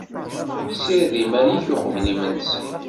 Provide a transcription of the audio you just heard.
Ssired iman ik uqbel imensi.